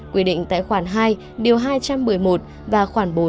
quy định tại khoản hai điều hai trăm một mươi một và khoảng bốn